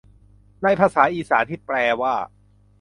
ในภาษาอีสานที่แปลว่า